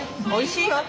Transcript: おいしい？